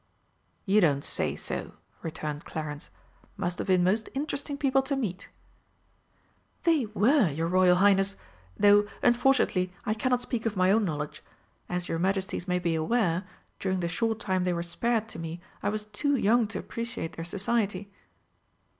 "You don't say so," returned Clarence. "Must have been most interesting people to meet." "They were, your Royal Highness. Though, unfortunately, I cannot speak of my own knowledge. As your Majesties may be aware, during the short time they were spared to me I was too young to appreciate their society."